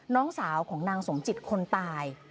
น้องสาวของนางสมจิตคนตาย